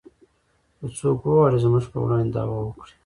که څوک وغواړي زموږ په وړاندې دعوه وکړي